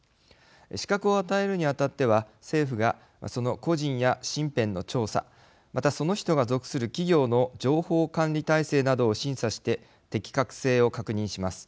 資格を与えるにあたっては政府が、その個人や身辺の調査また、その人が属する企業の情報管理体制などを審査して、適格性を確認します。